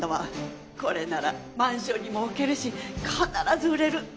これならマンションにも置けるし必ず売れる。